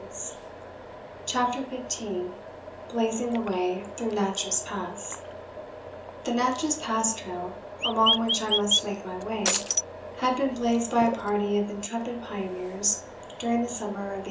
] CHAPTER FIFTEEN BLAZING THE WAY THROUGH NATCHESS PASS THE Natchess Pass Trail, along which I must make my way, had been blazed by a party of intrepid pioneers during the summer of 1853.